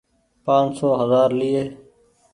پآن سو هزآر ليئي۔